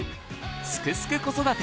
「すくすく子育て」